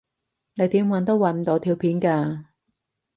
你點搵都搵唔到條片㗎